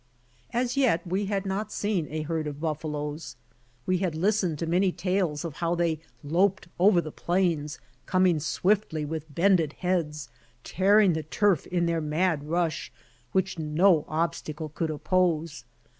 As yet we had not seen a herd of buffaloes. We had listened to many tales of how they loped over the plains, coming swiftly with bended heads, tearing the turf in their mad rush, which no obstacle could oppose.